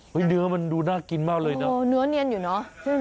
เนื้อมันดูน่ากินมากเลยนะโอ้เนื้อเนียนอยู่เนอะ